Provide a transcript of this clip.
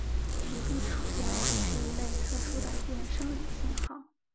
局部场电位是一类特殊的电生理信号。